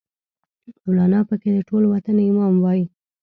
مولانا پکې د ټول وطن امام وای